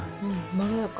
まろやか。